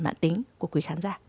mạng tính của quý khán giả